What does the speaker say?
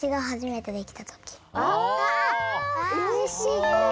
うれしいね！